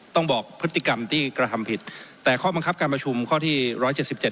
ต้องบอกพฤติกรรมที่กระทำผิดแต่ข้อบังคับการประชุมข้อที่ร้อยเจ็ดสิบเจ็ด